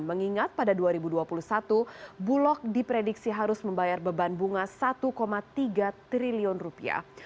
mengingat pada dua ribu dua puluh satu bulog diprediksi harus membayar beban bunga satu tiga triliun rupiah